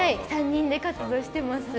３人で活動してます。